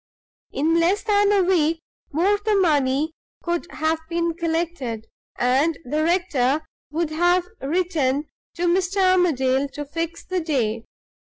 In less than a week more the money could have been collected, and the rector would have written to Mr. Armadale to fix the day.